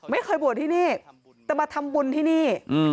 ไม่เคยบวชที่นี่แต่มาทำบุญที่นี่